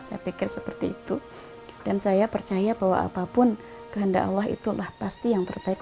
saya pikir seperti itu dan saya percaya bahwa apapun kehendak allah itulah pasti yang terbaik